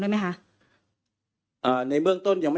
มีพฤติกรรมเสพเมถุนกัน